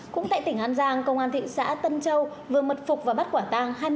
cũng tại tỉnh an giang công an thị xã tân châu vừa mật phục và bắt quả tàng